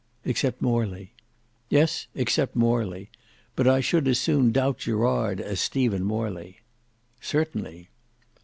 "Except Morley." "Yes: except Morley. But I should as soon doubt Gerard as Stephen Morley." "Certainly."